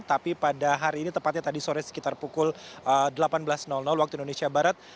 tapi pada hari ini tepatnya tadi sore sekitar pukul delapan belas waktu indonesia barat